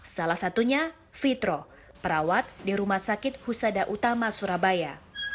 salah satunya fitro perawat di rumah sakit husada utama surabaya